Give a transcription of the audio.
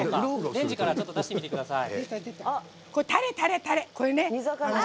レンジから出してみてください。